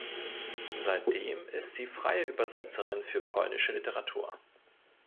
Seitdem ist sie freie Übersetzerin für polnische Literatur.